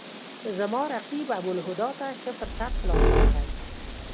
زما رقیب ابوالهدی ته ښه فرصت په لاس ورغی.